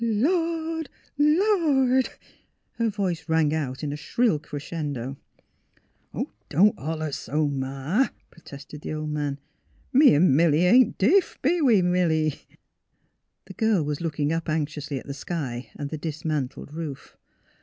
Lord ! Lord !'' Her voice rang out in a shrill crescendo. ^' Don't holler so, Ma," protested the old man. *' Me 'n' Milly ain't deef ; be we, Milly? " 216 THE HEAKT OF PHILUEA The girl was looking up anxiously at the sky and the dismantled roof.